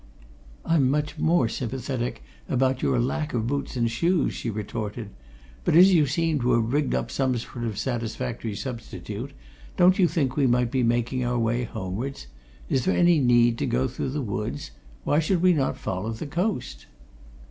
"I'm much more sympathetic about your lack of boots and shoes," she retorted. "But as you seem to have rigged up some sort of satisfactory substitute, don't you think we might be making our way homewards? Is there any need to go through the woods? Why should we not follow the coast?"